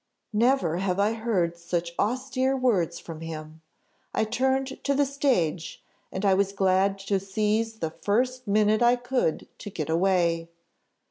"Never have I heard such austere words from him. I turned to the stage, and I was glad to seize the first minute I could to get away.